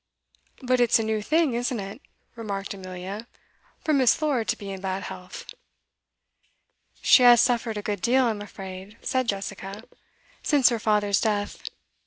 'But it's a new thing, isn't it,' remarked Amelia, 'for Miss. Lord to be in bad health?' 'She has suffered a good deal, I'm afraid,' said Jessica, 'since her father's death.